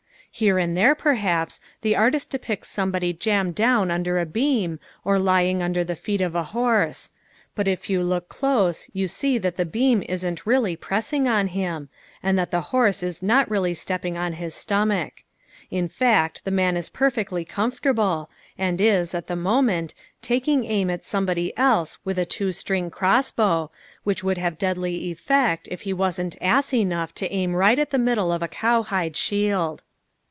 Here and here, perhaps, the artist depicts somebody jammed down under a beam or lying under the feet of a horse; but if you look close you see that the beam isn't really pressing on him, and that the horse is not really stepping on his stomach. In fact the man is perfectly comfortable, and is, at the moment, taking aim at somebody else with a two string crossbow, which would have deadly effect if he wasn't ass enough to aim right at the middle of a cowhide shield.